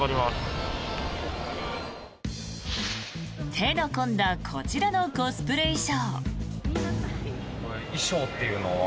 手の込んだこちらのコスプレ衣装。